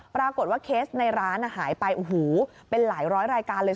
ปรากฏว่าเคสในร้านหายไปโอ้โหเป็นหลายร้อยรายการเลย